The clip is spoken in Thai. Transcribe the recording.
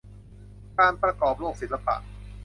การประกอบโรคศิลปะ